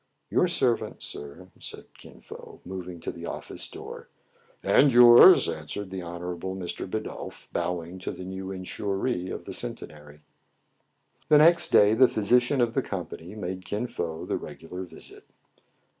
" Your servant, sir," said Kin Fo, moving to the office door. "And yours," answered the Honorable Mr. Bidulph, bowing to the new insuree of the Cen tenary. The next day the physician of the company made Kin Fo the regular visit.